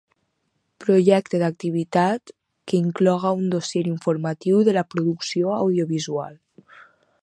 Projecte d'activitat que inclogui un dossier informatiu de la producció audiovisual.